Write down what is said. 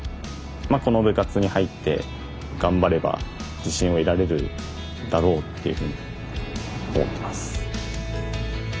まあこの部活に入って頑張れば自信を得られるだろうっていうふうに思ってます。